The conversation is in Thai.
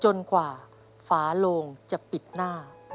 จนกว่าฝาโลงจะปิดหน้า